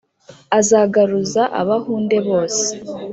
azagaruza abahunde bose